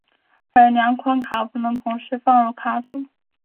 而两款卡不能同时放入卡组。